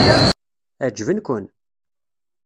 Ɛeǧben-ken?